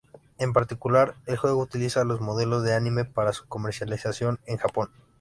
En particular, el juego utiliza los modelos de anime para su comercialización en Japón.